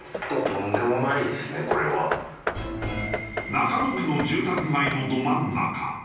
中野区の住宅街のど真ん中。